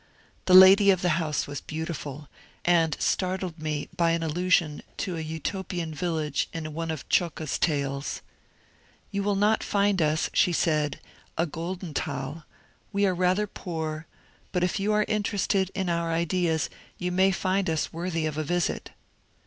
The lady of the house was beautiful, and startled me by an allusion to a Uto pian village in one of Zschokke's tales. *^ You will not find us," she said, ^^a Gt>ldenthal; we are rather poor; but if you are interested in our ideas, you may find us worthy of a visit."